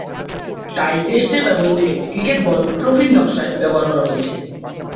টাই টেস্টে ব্যবহৃত একটি ক্রিকেট বল ট্রফির নকশায় ব্যবহার করা হয়েছে।